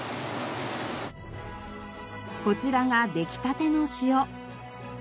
こちらが出来たての塩。